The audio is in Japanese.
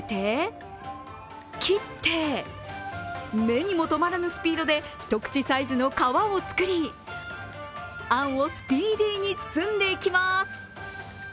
目にもとまらぬスピードで一口サイズの皮を作りあんをスピーディーに包んでいきます。